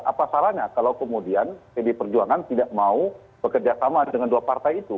apa salahnya kalau kemudian pd perjuangan tidak mau bekerja sama dengan dua partai itu